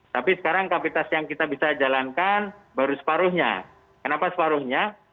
tapi sekarang kapasitas yang kita bisa jalankan baru separuhnya kenapa separuhnya